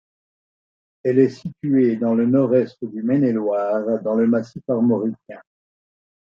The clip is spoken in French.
Elle est située dans le nord-est du Maine-et-Loire, dans le Massif armoricain.